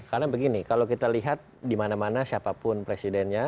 karena begini kalau kita lihat di mana mana siapapun presidennya